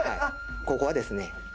ここはですね。えっ？